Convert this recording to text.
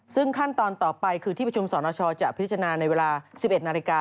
ซึ่งขั้นตอนต่อไปคือที่ประชุมสรณชอจะพิจารณาในเวลา๑๑นาฬิกา